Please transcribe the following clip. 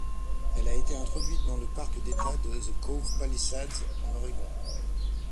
Elle a été introduite dans le parc d'État de The Cove Palisades en Oregon.